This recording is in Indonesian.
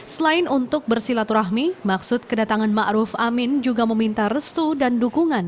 selain untuk bersilaturahmi maksud kedatangan ma'ruf amin juga meminta restu dan dukungan